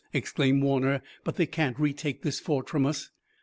exclaimed Warner, "but they can't retake this fort from us!"